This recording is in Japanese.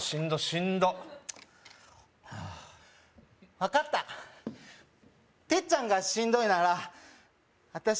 どしんど分かったテッちゃんがしんどいなら私